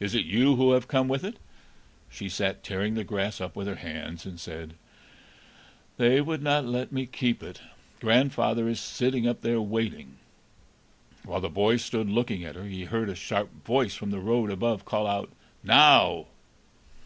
"Is it you who have come with it?" She sat tearing the grass up with her hands, and said: "They would not let me keep it; grandfather is sitting up there, waiting." While the boy stood looking at her, he heard a sharp voice from the road above call out, "Now!"